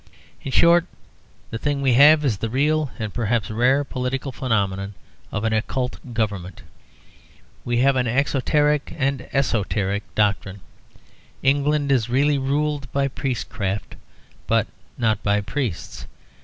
In short, the thing we have is the real and perhaps rare political phenomenon of an occult government. We have an exoteric and an esoteric doctrine. England is really ruled by priestcraft, but not by priests.